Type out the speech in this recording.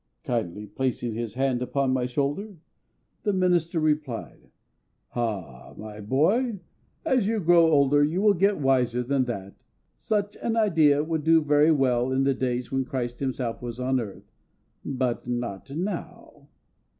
Kindly placing his hand upon my shoulder, the minister replied, "Ah, my boy, as you grow older you will get wiser than that. Such an idea would do very well in the days when CHRIST Himself was on earth, but not now."